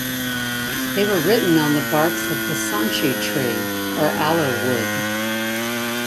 They were written on the barks of the "Sanchi" tree or aloe wood.